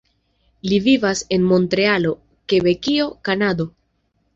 Li vivas en Montrealo, Kebekio, Kanado.